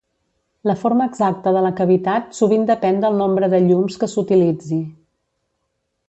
La forma exacta de la cavitat sovint depèn del nombre de llums que s'utilitzi.